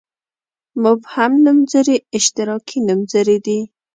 مبهم نومځري اشتراکي نومځري دي.